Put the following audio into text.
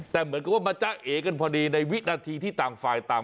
แต่เหมือนกับว่ามาจ้าเอกันพอดีในวินาทีที่ต่างฝ่ายต่าง